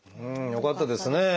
よかったです。